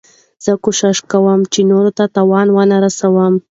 زه کوشش کوم، چي نورو ته تاوان و نه رسوم.